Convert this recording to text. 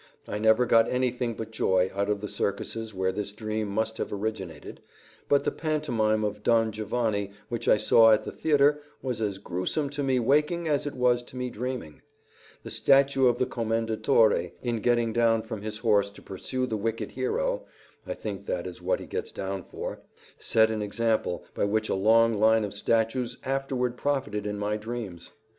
I never got anything but joy out of the circuses where this dream must have originated, but the pantomime of "Don Giovanni," which I saw at the theater, was as grewsome to me waking as it was to me dreaming. The statue of the Commendatore, in getting down from his horse to pursue the wicked hero (I think that is what he gets down for), set an example by which a long line of statues afterward profited in my dreams.